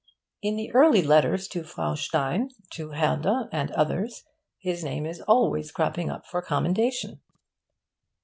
In the early letters to Frau von Stein, to Herder and others, his name is always cropping up for commendation.